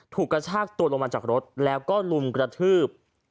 กระชากตัวลงมาจากรถแล้วก็ลุมกระทืบ